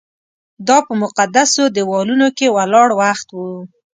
دا په مقدسو دیوالونو کې ولاړ وخت و.